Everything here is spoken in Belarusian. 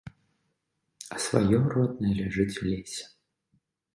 А сваё, роднае, ляжыць у лесе!